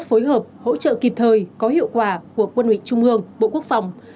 phối hợp hỗ trợ kịp thời có hiệu quả của quân ủy trung ương bộ quốc phòng